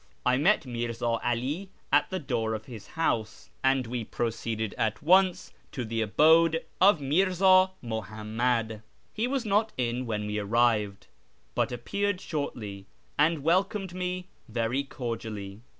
I met Mirza 'Ali at the door of his house, and we proceeded at once to the abode of Mirza Muhammad. He was not in when we arrived, but appeared shortly, and welcomed me very cordially.